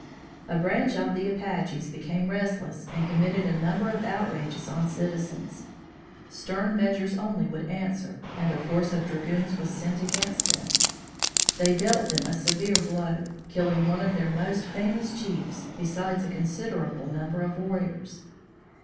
A branch of the Apaches became restless and committed a number of outrages on citizens. Stern measures only would answer and a force of dragoons were sent against them. They dealt them a severe blow, killing one of their most famous chiefs, besides a considerable number of warriors.